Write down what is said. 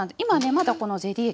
まだこのゼリー液